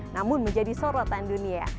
namun menjadi sorotan dunia